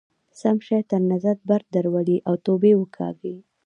سم شی تر نظر بد درولئ او توبې وکاږئ.